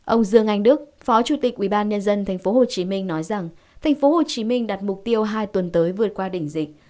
ông dương anh đức phó chủ tịch ubnd tp hcm nói rằng tp hcm đặt mục tiêu hai tuần tới vượt qua đỉnh dịch